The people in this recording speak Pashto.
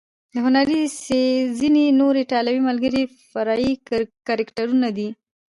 د هنري ځینې نور ایټالوي ملګري فرعي کرکټرونه دي.